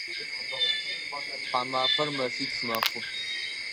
Тхьамафэр мэфитф мэхъу.